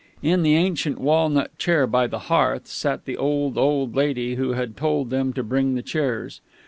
In the ancient walnut chair by the hearth sat the old, old lady who had told them to bring the chairs.